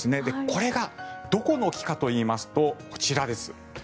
これがどこの木かといいますとこちらです。